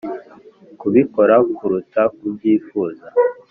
kubikora kuruta kubyifuza